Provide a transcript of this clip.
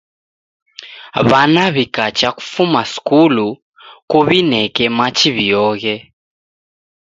W'ana wikacha kufuma skulu kuw'ineke machi wioghe.